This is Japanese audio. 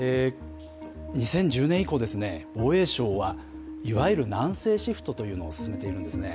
２０１０年以降ですね、防衛省は、いわゆる南西シフトというのを進めてきているんですね。